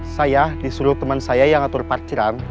saya disuruh teman saya yang atur parkiran